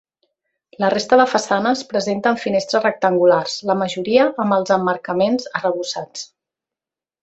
La resta de façanes presenten finestres rectangulars, la majoria amb els emmarcaments arrebossats.